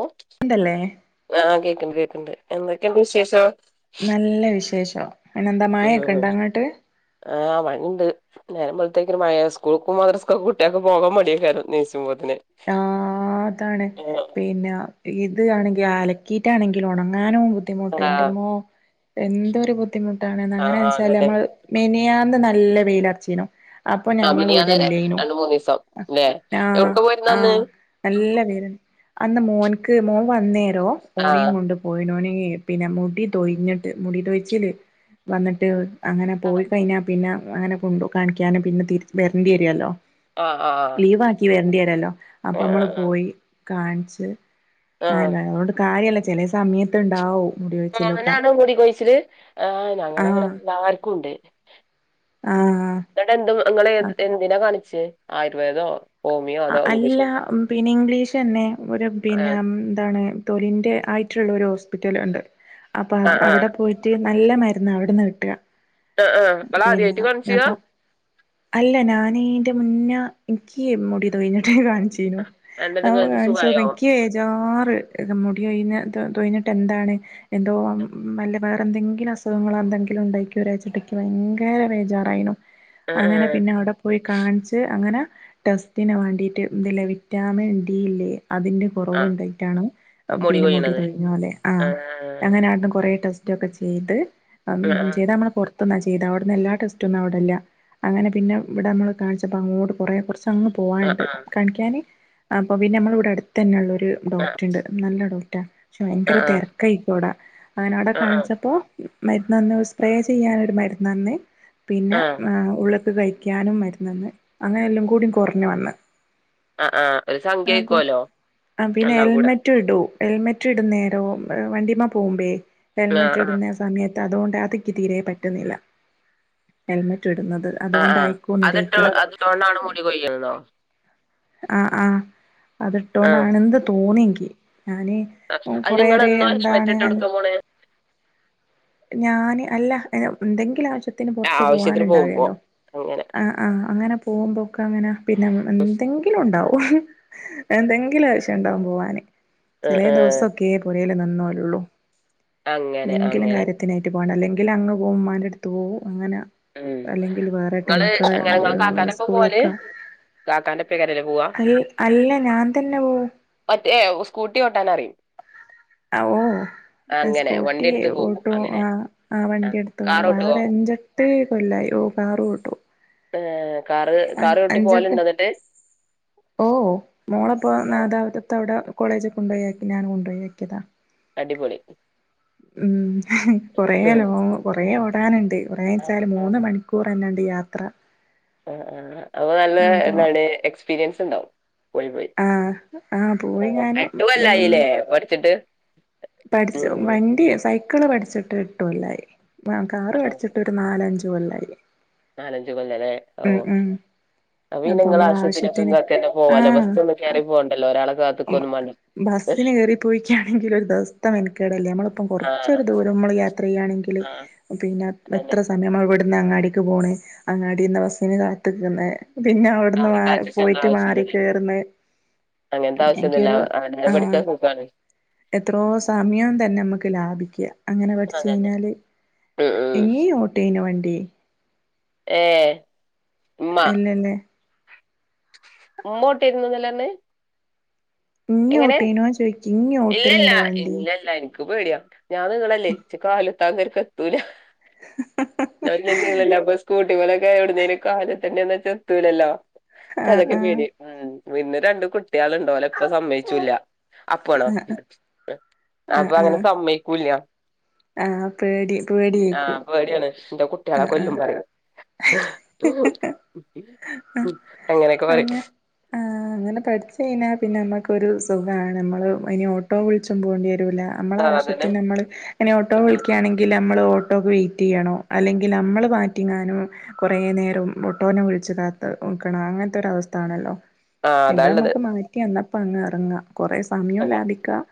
ഓഹ് എന്തല്ലേ ആഹ് കേക്കണ്ട് കേക്കണ്ട് എന്തൊക്കെണ്ട് വിശേഷം? നല്ല വിശേഷം പിനെന്താ ഉം മായൊക്കെണ്ടോ അങ്ങട്ട്? ആഹ് മയ ഇണ്ട് നേരം വെളുത്തേക്ക് ഒരു മഴയായ് സ്കൂൾക്ക് കുട്ടികൾകൊക്കെ പോകാൻ മടിയേക്കാരം നേിച്ചുമ്പോത്തിന് ആഹ് അതാണ് പിന്നെ ഇത് ആണെങ്കിൽ അലക്കിട്ടാണെങ്കിൽ ഉണങ്ങാനും ബുദ്ധിമുട്ട് ആഹ് എന്റെമ്മോ എന്തൊരു ബുദ്ധി - ബുദ്ധിമുട്ടാണ് അങ്ങനെ ആഹ് വെച്ചാല് അതന്നെ നമ്മള് മെനിയാന്ന് നല്ല വെയിയിലർച്ചീനു അപ്പൊ ആഹ് ഞങ്ങള് മിനിയാന്ന് ഇവിടെ വരെ ഇല്ലേയ്നു രണ്ട് മൂന്ന് ദിവസം ല്ലേ ആഹ് എവിട്ക്കാ പോയിരുന്നെ അന്ന് ആഹ് നല്ല വെയ്ല് അന്ന് മോൻക്ക് മോൻ വന്നേരോ ആഹ് ഓനെയും കൊണ്ട് പോയിനോന പിന്നെ മുടി തൊയ്ഞ്ഞിട്ട് മുടി തൊയ്ച്ചില് വന്നിട്ട് അങ്ങനെ പോയി കഴിഞ്ഞാൽ പിന്നെ അങ്ങനെ കൊണ്ടു കാണിക്കാനും പിന്നെ തി വരേണ്ടി വരുല്ലോ ആഹ് ആഹ് ലീവ് ആക്കി വരേണ്ടി വരല്ലോ അപ്പൊ നമ്മള് ആഹ് പോയി കാണിച്ച് ആഹ് ആല്ല അതുകൊണ്ട് കാര്യല്ല ചില സമയത്ത് ഉണ്ടാവും മുടി കൊഴിച്ചിലൊക്കെ മോനാണോ മുടികൊഴിച്ചില് ആഹ് ഞങ്ങളവിടെ ആഹ് എല്ലാർക്കും ഉണ്ട് ആഹ് ഇങ്ങട്ട് എന്ത് നിങ്ങൾ അപ്പൊ എന്തിനാണ് കാണിച്ചേ ആയുർവേദോ ഹോമിയോ അതോ ഇംഗ്ലീഷ് അല്ല മരുന്നോ പിന്നെ ഇംഗ്ലീഷ് തന്നെ ഒരു പിന്നെ ആഹ് എന്താണ് തൊലിന്റെ ആയിട്ടുള്ള ഒരു ഹോസ്പിറ്റൽ ഉണ്ട് അപ്പൊ അ ആഹ് ആഹ് അവിടെ പോയിട്ട് റ്റ് നല്ല മരുന്ന് അവിടുന്ന് കിട്ടുക ആ ആഹ് ഇങ്ങള് ആദ്യ പിന്നെ മായിട്ട് കാണിച്ചാ ഞാപ്പൊ അല്ല ഞാനീ എന്റെ മുന്നേ എനിക്ക് മുടിത്ഴിഞ്ഞിട കാണിച്ച യ്നു അഹ് എന്നിട്ട് ആ പ്പൈ ഇങ്ങക്ക് കാണിച്ചോ സുഖായോ എന്നിക്ക് ജാറ് മുടി ഒഴിഞ്ഞ തൊഴിഞ്ഞട്ട് എന്താണ് എന്തോ മല്ല വേറെ എന്തെങ്കിലും അസുഖങ്ങൾ എന്തെങ്കിലും ഉണ്ടാക്കി ഒരാഴ്ച്ചിട്ടയ്ക്ക് ഭയങ്കര ബേജാറായിനോ ആഹ് അങ്ങനെ ആഹ് പിന്നെ അവിടെ പോയി കാണിച്ച് അങ്ങനെ ടെസ് ത്തിന് വേണ്ടിയിട്ട് ഇതില്ലേ വിറ്റാമിൻ ഡി ഇല്ലേ അതിൻ്റെ- കുറവ് ആഹ് ഉണ്ടായിട്ടാണ് പിന്നെ മുടി തെഴിഞ്ഞ അല്ലെ ആ ആഹ് അങ്ങനൊ കുറെ ടെസ്റ്റ് ഇതൊക്കെ ചെയ്ത് ആഹ് ചെയ്ത നമ്മള് പൊറത്ത് പുറത്തു നിന്ന് ചെയ്ത് അവിടെ നിന്ന് എല്ലാ ടെസ്റ്റ് ഒന്നും അവിടെ ഇല്ല അങ്ങനെ പിന്നെ ഇവിടൊന്നു കാണിച്ചപ്പോൾ അങ്ങോട്ട് കുറേ കുറച്ച് അങ്ങ് ആഹ് പോവാണ്ട് ആഹ് കാണിക്കാന് അപ്പൊ പിന്നെ നമ്മള ഇവിടെ അടുത്ത് തന്നെുള്ള- ഒരു ഡോക്റ് ഉണ്ട് നല്ല ഡോക്ടാ പക്ഷെ ആഹ് ഭയങ്കര ആഹ് തിരക്കായിക്കും അവിടാ അങ്ങനെ അവിടെ ആഹ് കാണിച്ചപ്പോ- മരുന്ന്ന്ന് സ്പ്രേ ചെയ്യാനൊരു മരുന്ന് നന്ന് പിന്നെ ആഹ് ആഹ് ഉളു - കഴിക്കാനും മരുന്ന് തന്ന് അങ്ങനെല്ലാം കൂടി ഇങ്ങനെ വന്ന് ആഹ് ആഹ് ഒരു സംഖ്യ ആ ആയിക്കോലോ പ്പെ പിന്നെ എല്ലാം കൂടെ ഹെൽമറ്റ് ഇടു ഹെൽമെറ്റ് ഇടുന്നേരോ വണ്ടിമെ പോകുമ്പേ ആഹ് ഹെൽമെറ്റ് ആഹ് ഇടുന്ന സമയത്ത് അതുകൊണ്ട് അതിക്ക് തീരേ പറ്റുന്നില്ല ഹെൽമെറ്റ് ഇടുന്നത് ആ ആ അതുകൊണ്ടായിക്കോന്നിരിക്കും അതിട്ടൊണ്ട അതിട്ടൊണ്ടാണോ മുടി കൊഴിയുന്നോ ആഹ് ആഹ് ആഹ് അത്ട്ടൊണ്ടാണ് എന്ത് തോന്നിയെങ്കി ഞാന് അതിന് കൊറെേ ഇങ്ങള് ഒരു എന്നോ ഹെൽമെറ്റ് എന്താണ് ഇട്ട് കൊടുക്കാൻ പോണെ ഞാന് അല്ല എന്തെങ്കിലും ആവശ്യത്തിന് പുറത്ത് ആവശ്യത്തിന് പോകുമ്പോ പോകാനുണ്ടാവല്ലോ അങ്ങനെ ആഹ് ആഹ് അങ്ങനെ പോകുമ്പോൾ ഒക്കെ അങ്ങനെ പിന്നെ എന്തെങ്കിലും ങ്കിലും ഉണ്ടാവും എന്തെങ്കിലും ആവശ്യ ഉണ്ടാകും പോവാന് ആഹ് ചെലെ ആഹ് ദിവസ- ക്കെപുരേൽ നിന്നോലുള്ളൂ അങ്ങനെ എന്തെങ്കിലും അങ്ങനെ കാര്യത്തി- ത്തിനായിട്ട് പോകണം അല്ലെങ്കിൽ അങ്ങ് പോകും ഉമ്മന്റെ അടുത്ത് പോകും അങ്ങനെ ഉം അല്ലെങ്കിൽ വേറെട്ടെ ഇങ്ങള് മക്കളെ സ്കൂളൊക്കെ കാക്കന്റെപ്പ് രേലേക്കാ പോവാ അൽ അല്ല ഞാൻ തന്നെ പോവും മറ്റേ സ്കൂട്ടി ഓട്ടാൻ അറിയും ഓ... അങ്ങനെ വണ്ടി സ്കൂട്ടി എടുത്ത് പോകും ഓട്ടോ അങ്ങനെ ആഹ് ആഹ് ആ വണ്ടിയ എടുത്തു പോവും ആ കാറോട്ട് ഒരു പോകും എൻഞ്ച- തേ കൊല്ലായി ഓ കാറും ഓട്ടോ ഏഹ് കാറ് കാറ് ഓട്ടി അഞ്ചെട്ട് പോവലുണ്ടോ ന്നട്ട് ഓ മോളെപ്പോ നാഥാപുരത്തത്തെ അവിടെ കോളേജ് കൊണ്ടയി ഞാൻ കൊണ്ടുയി ആക്കിയതാ അടിപൊളി ഉം കൊറ ഉം. ലോങ് കൊറെ ഓടാനുണ്ട് ആ കുറേച്ചാല് ആ മൂന്ന് മണിക്കൂർ അന്നെ എണ്ട് യാത്ര ആഹ് ആഹ് അപ്പ നല്ല അപ്പൊ എന്താണ് എക്സ്പീരിയൻസ് ണ്ടാവും പോയി പോയി ആ ആ പോയി ആഹ് ഞാനും എട്ട് കൊല്ല ആയില്ലേ പഠിച്ചിട്ട് ഉം പഠിച്ച ഉം വണ്ടി സൈക്കിള് പഠിച്ചിട്ട് എട്ട് കൊല്ലായി അ കാറ് ആ, പഠിച്ചിട്ട് ക്ക് നാലഞ്ച് കൊല്ലായി നാലഞ്ച് കൊല്ലല്ലേ ഓ ഉം ഉം അപ്പ ഇന അപ്പൊ നിങ്ങളാ നമ്മള ആവശ്യത്തിന് ഒക്കെ ങ്ങക്ക്ന്നെ പോവല്ലോ ആഹ് ബസ്സ ഒന്നും കേറി പോണ്ടല്ലോ ഒരാളെ കാത്ത് ഇക്കൊന്നും വേണ്ട ബസ്സിന് കയറിപ്പോയിക്ക ആണെങ്കിലുണ്ടോ തം മെനക്കേട് അല്ലേ അമ്മള് ഒപ്പം ആ കൊറച്ച് ഒരു ദൂരം ഞമ്മള് യാത്ര ചെയ്യുക ആണെങ്കില് ആ പിന്നെ അതന്നെ എത്ര സ- തന്നെമ്മ ഇവുടുന്ന് അങ്ങാടിക്ക് പോണ് അങ്ങാടിന്ന് ബസിന് കാതിക്കിന്ന് തിന്നേ അവ ഇവിടന്ന് അവരെ മാ കാത്തിക്കേണ്ട പോയിട്ട് മാറി ആവശ്യമില്ലല്ലേ കേറ്ന്ന് അങ്ങനത്തെ ആവശ്യം ഒന്നും ഇല്ല അഅ അവനേന് പഠിച്ച കുപ്പാണ് എത്രോ സമയം തന്നെ മക്ക് ലാഭിക്കാം അങ്ങനെ പഠിച്ച് അതന്നെ കഴിഞ്ഞാല് ഉം ഉം എങ്ങി ഓട്ടെന വണ്ടി ഏഹ് ഇല്ല അല്ലേ മുമോട്ടിരുന്നു ന്നല്ലേ അറിഞ്ഞെ ഇങ്ങി എങ്ങനെ ഓട്ടേനോ ചോദിക്കും ഇങ്ങി ഇല്ലല്ല ഓട്ടലുണ്ടോ വണ്ടി ഇല്ലല്ലായിരി ക്ക് പേടിയാ ഞാന് നീളല്ലേ ച് കാല് താനേരിക്കെത്തൂല അല്ല പിന്നെനീളല്ലപ്പപിന്നെ സ്കൂ തി പോലക്കെ എവിടുന്നേലും കാലത്തണ്ടന്ന് വെന്ന ച്ചു ന്നെത്തൂലല്ലോ ആഹ് ചതൊക്കെ ആഹ് പേടി ഉം വിന്ന രണ്ട് കുട്ടിആള്ണ്ട് ഓല് എപ്പ സമ്മയിച്ചൂല്ല അപ്പ ആണോ ആ ആഹ് അപ്പ അങ്ങനെ ആഹ് സമ്മയിക്കൂല്ല ആഹ് പേടി ആഹ് പേടിയേക്കും പേടിയാണ് എന്റെ കുട്ടികളെ ആഹ് കൊല്ലും ആഹ് പറയും അങ്ങനെ ഒക്കെ പറയും അങ്ങ ആഹ് അങ്ങനെ പഠിച്ചു കഴിഞ്ഞാ പിന്നെ അമക്ക് ഒരു സുഖാണ് അമ്മള് ഇനി ഓട്ടോ വിളിച്ചും പോണ്ടി വരുല്ല അമ്മള ആ അതന്നെ ആവശ്യത്തിന് നമ്മള് എന്നെ ഓട്ടോ ഉം വിളിക്കയാണെങ്കി എങ്കില് അമ്മള് ഓട്ടോക്ക് വെയിറ്റ്യ്യണോ അല്ലെങ്കി അമ്മള് മാറ്റിങ്ങാനോ കൊറെ നേരം ഒട്ടോനെ വിളിച്ച് കാത്ത് ഇക്കണം അങ്ങനത്തെ ഒര അവസ്ഥ ആണല്ലോ ആ അതാള്ളത് എതാമക്ക് മാറ്റി അന്നപ്പ അങ്ങ് ഇറങ്ങ കൊറെ സമയോം അപ്പൊ ലാഭിക്കാം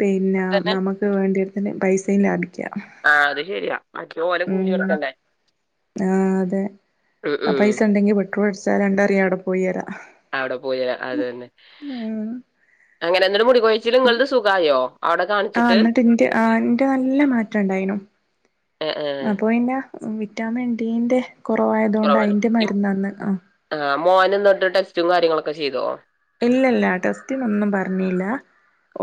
പിന്നെ തന്നെ നമക്ക് വേണ്ടിടത്തി്ന് പൈസയ ലാഭി ആഹ് അത് ശരിയ മറ്റേ ഓലെ കൂലി ഉം ഒടുക്കണ്ടേ ആഹ് അതെ ആ പൈസ ഉണ്ടെങ്കി പെട്രോൾ അടിച്ചാൽ രണ്ട് അറിയാം എവിടെ പോയിര അവിടെ പോയി അത് എന്നെ അങ്ങനെ എന്ന മുടി കൊയ്യില് നിങ്ങളത് സുഖയോ ആഹ് ന്നിട്ട് ന്റെ ആഹ് ന്റെ നല്ല മാറ്റ ണ്ടായിനു ഏ ഏ അപ്പൊ പിന്ന വിറ്റാമിൻ ഡീന്റെ കൊറവ് ആയത് കൊണ്ട് അയ്യിന്റെ മരുന്ന് അന്ന് ആഹ് ആഹ് മോന് ഇന്നട്ട് ടെസ്റ്റും കാര്യങ്ങളൊക്കെ ചെയ്തോ ഇല്ല ഇല്ല ടെസ്റ്റിന് ഒന്നും പറഞ്ഞില്ല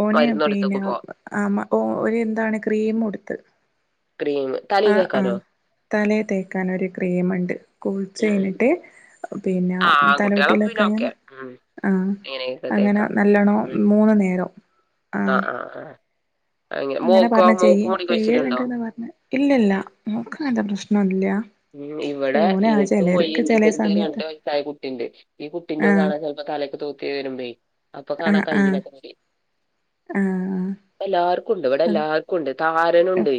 ഓന് മരുന്ന് പിന്നെ അ കൊടുത്തക്കുമ്പോ ആഹ് മ്മ ഒ ഒര് എന്താണ് ക്രീം ഒടുത്ത് ക്രീം തലെ തെക്കാലോ തലയെ തേക്കാൻ ഒരു ക്രീമണ്ട് കുളിച്ച് ഉം ഉം. കഴിഞ്ഞിട്ട് പിന്നെ തലോട്ടിലോഒക്കെ ങ്ങന ആഹ് ആഹ അങ്ങനെ നല്ലോണ്ണ മൂന്ന് നേരം ആഹ് ആഹ് ആഹ് അങ്ങനെ മോക്കോ മോക്ക് മടിക്ക് വെച്ചിട്ടുണ്ടോ ഇല്ല ഇല്ല മോക്ക് അങ്ങനത്തെ പ്രശ്നോ ഒന്നും ഇല്ല ഉ ഇവിടെ എനിക്ക് കൊയ്യി ഇണ്ട് ഇപ്പ എന്റെ രണ്ട സമയത്ത് വയസ്സായ കുട്ടിയുണ്ട് ഈ കുട്ടിന്റെ ആഹ് കാണാൻ സ ഇപ്പൊ കലക്കേ തൂക്കി ഇടുമ്പ അപ്പൊ കാണാ ആഹ് ആഹ് കയ്യിന് ഒക്കെ മുടി ആഹ് എല്ലാർക്കു ഒണ്ട് ഇവിടെ അതെ എല്ലാർക്കും ഒണ്ട് താരൻ ഉണ്ടേ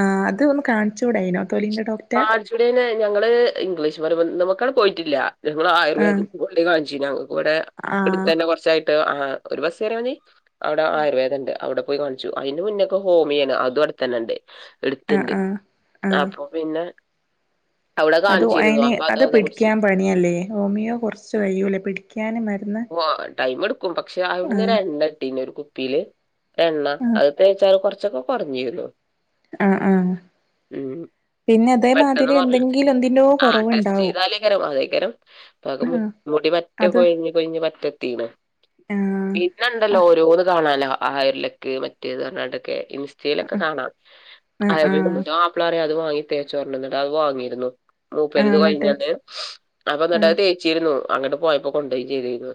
ആഹ് അത് ഒന്ന് കാണിച്ചുടെ അയ്യിന് തൊലിന്റെ ഡോ കാണിച്ചുടേ ഞങ്ങള് ഇംഗ്ലീഷ് മരുന്ന് നോക്കാൻ പോയിട്ടില്ല ഞങ്ങൾ ആയുർവേദ ആഹ് [unintelligible] കൂടെ ആഹ് തന്നെ കുറച്ചായിട്ട് ഒരു ബസ് കേറിയ മതി അവിടെ ആയുർവേദം ഉണ്ട് അവിടെ പോയി കാണിച്ചു അതിന്റെ മുന്നൊക്കെ ഹോമിയയാണ് അതും അടത്തുതന്നെണ്ട് ആഹ് അടുത്തുണ്ട് ആഹ് ആഹ് അപ്പൊ പിന്നെ അവിടെ അത് കാണിച്ചിരുന്നു അയ്യിന് അപ്പൊ അത് കുടിച്ചു പിടിക്കാൻ പണിയല്ലേ ഹോമിയോ കൊറച്ച് കഴിയൂല്ലേ പിടിക്കാന് മരുന്ന് ഓ ടൈം എടുക്കും പക്ഷെ അവിടുന്ന് ആഹ് രണ്ടായിട്ടാന്നെ ഒരു കുപ്പിയില് എണ്ണ ആഹ് അത് തേച്ചാൽ കുറച്ചൊക്കെ കൊറഞ്ഞുവരും ആഹ് ആഹ് പിന്നെ പെട്ടെന്ന് അതേമാതിരി പറഞ്ഞ് എന്തെങ്കിലും എന്തിന്റോ ആ ടെസ്റ്റ് കുറവുണ്ടാവും ചെയ്താല് ആഹ് [unintelligible] [unintelligible] അത് കൊയിഞ്ഞ് കൊയിഞ്ഞ് [unintelligible] ആഹ് പിന്നെ ഉണ്ടല്ലോ ഓരോന്ന് കാണലാ ഹയർലക്ക് മറ്റേത് എന്താണ്ടൊക്കെ ഇൻസ് റ്റയിലൊക്കെ കാണാം അ ആഹ് ആഹ് ആപ്പിളാര് അത് വാങ്ങി തേച്ചോണ്ടിരുന്നിട്ട് അത് വാങ്ങിരുന്നു ആഹ് മൂപ്പരുത് എന്നിട്ട് കഴിഞ്ഞട്ട് അപ്പൊ ആഹ് എന്നിട്ടത് തേ ച്ചിരുന്നു അങ്ങോട്ട് പോയപ്പോ കൊണ്ടോയി ചെയ്തിരുന്നു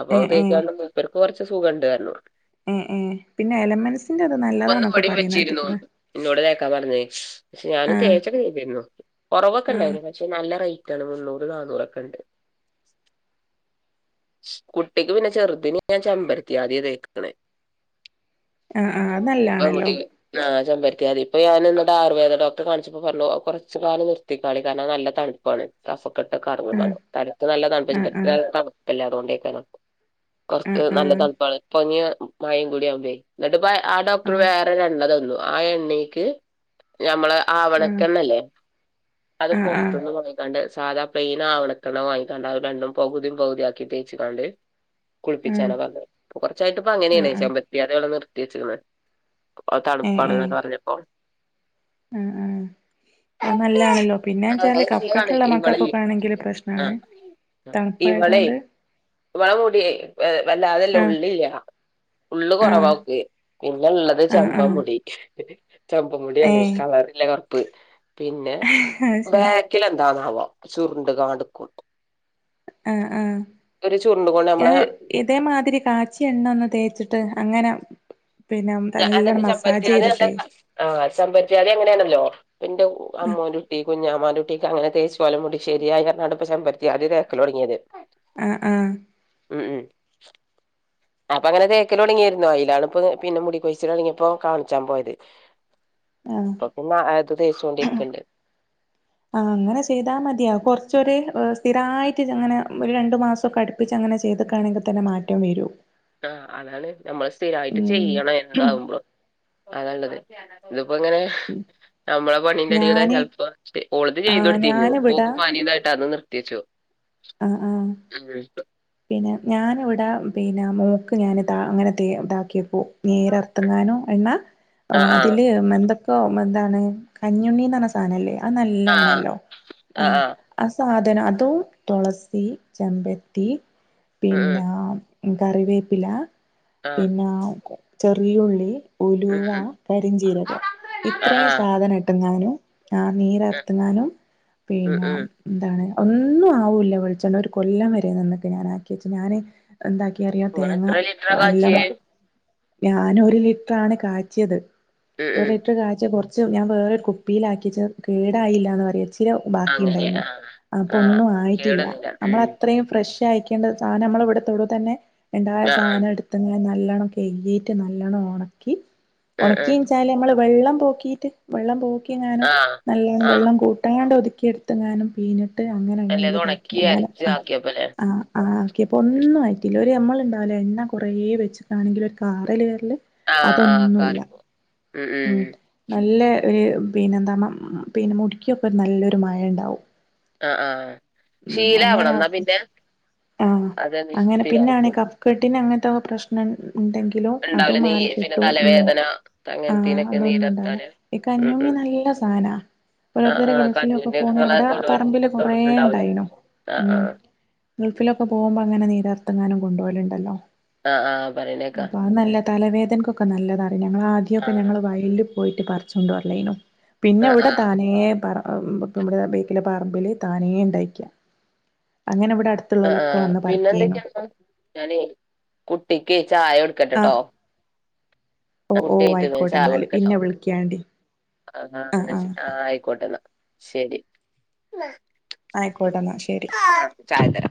അപ്പൊ അത് ഏഹ് ഏഹ് തേക്കാൻ കൊണ്ട് ഇവർക്ക് കുറച്ച് സുഖം ഉണ്ടായിരുന്നു ഏഹ് ഏഹ് പിന്നെ എലമെൻസിന്റെ അത് ഒന്ന് നല്ലതാന്നൊക്കെ ഇവിടേം പറയുന്ന വെച്ചിരുന്നു കേട്ട്ക്ക്ണ് എന്നോട് തേക്കാൻ പറഞ്ഞ് ഞാനും ആഹ് തേച്ചൊക്കെ ചെയ്തിരുന്നു കൊറവൊക്കെ ആഹ് ഉണ്ടായിരുന്നു പക്ഷെ നല്ല റേറ്റാണ് മുന്നൂറ് നാന്നൂറൊക്കെ ഉണ്ട് കുട്ടിക്ക് പിന്നെ ചെറുതിന് ഞാൻ ചെമ്പരത്തി ആദിയേ തേക്കുനതേ ആഹ് ആഹ് അത് നല്ലാണല്ലോ [unintelligible] ആ ചെമ്പരത്തി ആദി ഇപ്പം ഞാൻ എന്നിട്ട് ആയുർവേദ ഡോക്ടറെ കാണിച്ചപ്പോ പറഞ്ഞു കുറച്ചു കാലം നിർത്തി തളി കാരണം അത് നല്ല തണുപ്പാണ് കഫക്കെട്ട് കാണുന്നു ആഹ് പറഞ്ഞ് തലയ്ക്ക് നല്ല ആഹ് തണുപ്പും [unintelligible] പൊറത്ത് ആഹ് നല്ല ആഹ് തണുപ്പാണ് [unintelligible] മയയും കൂടി ആവുമ്പഴേ എന്നിട്ടിപ്പ ആ ഡോക്ടർ ആഹ് വേറൊരു എണ്ണ തന്നു ആ എണ്ണക്ക് ഞമ്മളെ ആഹ് ആവണക്കെണ്ണയില്ലേ അത് ആഹ് ആഹ് ആഹ് പൊറത്തുന്ന് വാങ്ങി ക്കണ്ട് സാദാ പ്ലെയിൻ ആവിണക്കെണ്ണ വാങ്ങിക്കാണ്ട് അത് രണ്ടും പകുതിയും പകുതിയും ആക്കി തേച്ചുകൊണ്ട് ആഹ് കുളിപ്പിച്ചാനതുകൊണ്ട് കുറച്ചായിട്ട് ഇപ്പൊ അങ്ങനെയാണ് ആഹ് ആഹ് ചെമ്പരത്തി അതാണ് നിർത്തി വെച്ചേക്കുന്നത് അത് തണുപ്പാണെന്നു പറഞ്ഞപ്പോ ഉം ഉം അത് ആഹ് നല്ലാണല്ലോ പിന്നേ അത് വച്ചാല് നല്ലതാണ് കഫക്കെട്ടുള്ള മക്കൾക്കൊക്കെയാണെങ്കിൽ പ്രശ്നമാണ് ഇവളേ ഇവള മൂടി വ വല്ലാതെ ആഹ് ഉള്ളില്ല ഉള്ള് കൊറവാ ആഹ് അവക്ക് പിന്നെ ഉള്ളത് ആഹ് ആഹ് ചെമ്പൻമുടി ചെമ്പൻ മുടിയാണ് ഏഹ് കളറില്ല കറുപ്പ് പിന്നെ അത് ബാ ശരി ക്കില് എന്താന്നാവോ ചുരുണ്ട് കെടക്കും ആഹ് മുടി ചുരുണ്ട് കൊണ്ട് നമ്മളെ അതേ മാതിരി കാച്ചി എണ്ണ ഒന്ന് തേച്ചിട്ട് അങ്ങനെ പിന്നെ നല്ല മസാജ് ചെയ്തിട്ടേ ആ ചെമ്പരത്തി ആതി അങ്ങനെയാണല്ലോ എന്റെ അമ്മോന്റെ കുട്ടി കുഞ്ഞാമാന്റെ കുട്ടി ട്ടിക്ക് അങ്ങനെ തേച്ച് [unintelligible] ആ ആ ഉം ഉം അപ്പൊ അങ്ങനെ തേക്കല് തുടങ്ങിയായിരുന്നു അതിലാണ് ഇപ്പൊ പിന്നെ മുടി കൊഴിച്ചില് തുടങ്ങിയപ്പോ കാണിച്ചാൻ പോയത് ആഹ് ഇപ്പൊ പിന്നെ അത് തേച്ചോണ്ടിരിക്കണ്ട് ആ അങ്ങനെ ചെയ്താൽ മതിയാകും കൊറച്ചൊരു സ്ഥിരായിട്ട് അങ്ങനെ ഒരു രണ്ടു മാസം ഒക്കെ അടു പ്പിച്ച് അങ്ങനെ ചെയ്തിക്കാണെങ്കിൽ തന്നെ മാറ്റം വരും ആ അതാണ് നമ്മൾ സ്ഥിരായിട്ട് ഉം ചെയ്യണം എന്താവുമ്പോൾ അതാ ഉള്ളത് ഇതിപ്പോ അങ്ങനെ നമ്മള പണീന്റെടേൽകൂടെ ഞാന് ചെലപ്പോ ഓള് ആഹ് [unintelligible] ഞാന് ഇവിടാ ഓക്ക് പനിയുണ്ടായിട്ട് അന്ന് നിർത്തി വച്ചു ആ ആ പിന്നെ ഞാന് ഇവിടെ പിന്നെ മോക്ക് ഞാനിത അങ്ങനെ തെ ഇതാക്കിയപ്പോ നീരർത്തുങ്ങാനോ എണ്ണ ആഹ് അതില് എന്തൊക്കോ എന്താണ് കഞ്ഞുണ്ണിന്ന് സാനല്ലേ അത് നല്ലെ ആഹ് ആണല്ലോ ആ ആഹ് ആഹ് ആഹ് ആ സാധനം അതും തുളസി ചെമ്പരുത്തി ഉം ഉം പിന്നെ കറിവേപ്പില ആഹ് പിന്നെ ചെറിയുള്ളി ഉം ഉലുവ ഉം കരിഞ്ചീരകം ആഹ് ഇത്രയും ആഹ് സാധനം ഇിട്ടുങ്ങാനു ആ് നീരർത്തുങ്ങാനും ഉം പിന്നെ ഉം എന്താണ് ഒന്നും ആ ഉല്ല വൊളിച്ചെണ്ണ ഒരു കൊല്ലം വരെ നിന്നിക്ക് ഞാൻ ആക്കിയ വച്ച് ഞാന് എന്താക്കി അറിയോ ഇങ്ങള് തേങ്ങ എത്ര ലിറ്ററാ വല്ലണം കാച്ചിയേ ഞാൻ ഒരു ലിറ്ററാണ് കാച്ചിയത് ഉം ഒരു ഉം ലിറ്റർ കാച്ചിയാ കൊറ ച്ച് ഞാൻ വേറൊരു കുപ്പിയില് ആക്കിച്ചാ കേടായില്ലാന്ന് പറിയ പിന്നെ ബാക്കി അങ്ങനെ ഉണ്ടായിനു ആഹ് അപ്പൊ ആഹ് ഒന്നും ആയി ട്ടില്ല കേടന്നില്ല നമ്മള് ഉം അത്രയും ഫ്രഷായിക്കേണ്ട സാനമ്മള് ഇവിടുത്തോടു തന്നെ ഉണ്ടായ ആഹ് സാധനം എടു ത്ത്ങ്ങനെ നല്ലവണം കെഴികീട്ട് നല്ലവണം ഒണക്കി ആഹ് ആഹ് ഒണക്കിച്ചാൽ നമ്മള് വെള്ളം പോക്കിട്ട് വെള്ളം പോക്കിങ്ങാനോ ആഹ് ആഹ് നല്ലോണം ആഹ് വെള്ളം കൂട്ടാണ്ട് ഒതുക്കിയെടു ത്തങ്ങാനും പീനിട്ട് അങ്ങനെ അല്ലത് എണ്ണൽതാക്കി ഒണക്കി അങ്ങനെ അരച്ച് ആ ആക്കിയപ്പല്ലേ ആ ആക്കിയപ്പൊ ഒന്നും ആയിട്ടില്ല ഒരു നമ്മള് ഉണ്ടാവില്ലെ എണ്ണ കുറേ വെച്ചിക്കാണെങ്കിലൊരു കാറല് വെരല് ആഹ് ആഹ് അതൊന്നൂല്ല കാറിപ്പോ ഉം നല്ല ഒരു പിന്നെ എന്താ പിന്നെ മുടിക്കൊക്കെ ഒരു നല്ലൊരു മയണ്ടാവും ആ ആ ഉം അങ്ങനാക്കി ആഹ അതന്നെ അങ്ങനെ പിന്നാണ് സ്ഥിരായിപ്പോവും കഫ കെട്ടിനങ്ങനത്തെ പ്രശ്നം ഉണ്ടെങ്കിലോ ഇണ്ടാവൂല അതും നീ പിന്നെ മാറിക്കിട്ടും ഉ തലവേദന ആ അങ്ങനത്തീനൊക്കെ അതൊന്നുംണ്ടാവില്ല നീരെർത്താന് ഈ ഉം കഞ്ഞുണ്ണി ഉം നല്ല സാനാ ആഹ് ഓരോരുത്തരു ആഹ് ഗൾഫിലൊക്കെ കഞ്ഞിന്റെ ഒക്കെ പോണെ ഇങ്ങളെ ഇവിടെ തൊടൂല് പറമ്പില് കുറേണ്ടാ തൊടൂല്ണ്ടാവൂലേ യിണൊ ആഹ് ഉ ആഹ് ഗൾഫിലൊക്കെ പോകുമ്പോ അങ്ങനെ നീരർത്തങ്ങാനും കൊണ്ടുപോലുണ്ടല്ലോ ആഹ് ആഹ് പറയ്ണേക്കാ അപ്പൊ അത് നല്ല തലവേദനക്കൊക്കെ നല്ലതാണ് ഞങ്ങള് ആദ്യമൊക്കെ ആഹ് ഞങ്ങള് വയലില് പോയിട്ട് പറച്ചൊണ്ടോരലേനു പിന്നെ ആഹ് ഇവിടെ ആഹ് താനേ പറ ഇമ്മടെ ബേക്കിലെ പറമ്പിൽ താനെ ഇണ്ടായേക്ക അങ്ങനെ ഇവിടെ അടു ത്തുള്ളോലൊക്കെ വന്ന് പറിക്കേനു ഞനെ കുട്ടിക്ക് ചായ കൊടുക്കട്ടെട്ടോ ആഹ് ഓ ഓ കുട്ടി എണീറ്റു ഞാൻ ആയിക്കോട്ടെ ചായ എന്നാല് പിന്നെ കൊടുക്കട്ടെട്ടോ വിളിക്കാണ്ടി ആഹ് ആഹ് ആ ആയിക്കോട്ടെന്നാ ശരി ആയിക്കോട്ടെ എന്നാ ശരി ചായ്തരാ